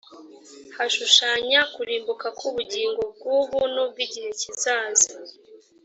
hashushanya kurimbuka k ubugingo bw ubu n ubw igihe kizaza